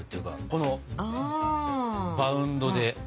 このバウンドで。